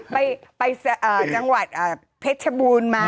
ไม่ไปจังหวัดเผชบูรณ์มา